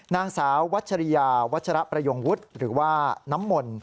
นางสาววัชริยาวัชระประยงวุฒิหรือว่าน้ำมนต์